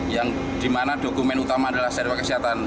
yang dimana dokumen utama adalah seriwa kesehatan